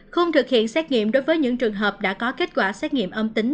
không thực hiện xét nghiệm đối với những trường hợp đã có kết quả xét nghiệm âm tính